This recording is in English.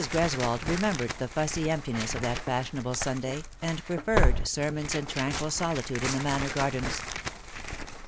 Greswold remembered the fussy emptiness of that fashionable Sunday, and preferred sermons and tranquil solitude in the manor gardens.